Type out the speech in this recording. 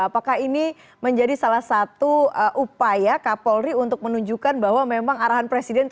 apakah ini menjadi salah satu upaya kapolri untuk menunjukkan bahwa memang arahan presiden